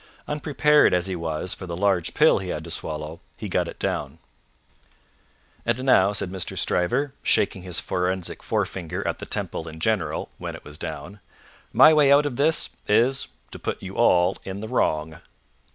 Unprepared as he was for the large pill he had to swallow, he got it down. "And now," said Mr. Stryver, shaking his forensic forefinger at the Temple in general, when it was down, "my way out of this, is, to put you all in the wrong."